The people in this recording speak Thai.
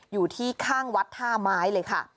อยู่ที่ข้างวัดท่าไม้เลยค่ะ